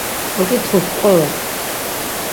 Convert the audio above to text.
Oǩitxus p̌qorop.